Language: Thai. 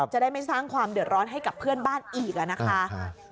จะได้ไม่สร้างความเดือดร้อนให้กับเพื่อนบ้านอีกนะคะ